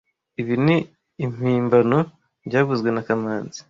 Ibi ni impimbano byavuzwe na kamanzi